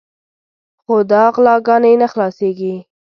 خو دا غلاګانې نه خلاصېږي.